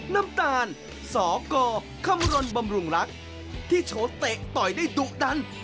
น้ำตาลสกคำรณบำรุงรักที่โชว์เตะต่อยได้ดุดัน